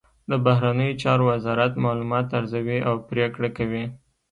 د بهرنیو چارو وزارت معلومات ارزوي او پریکړه کوي